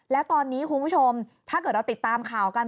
แล้วตอนนี้คุณผู้ชมถ้าเกิดเราติดตามข่าวกัน